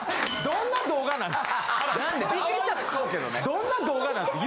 どんな動画なんす？